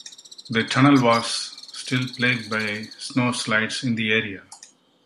The tunnel was still plagued by snow slides in the area.